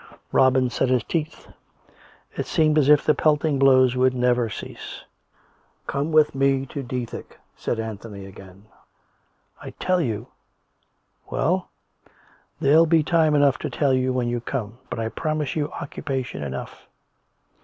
Robin set his teeth. It seemed as if the pelting blows would never cease. " Come with me to Dethick !" said Anthony again. " I tell you " "Well.?" " There'll be time enough to tell you when you come. But I promise you occupation enofigh."